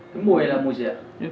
cái mùi là mùi gì ạ